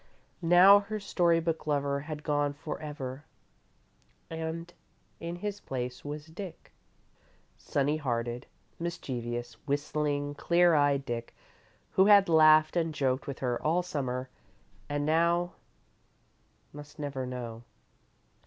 Now her story book lover had gone for ever, and in his place was Dick; sunny hearted, mischievous, whistling, clear eyed Dick, who had laughed and joked with her all Summer, and now must never know.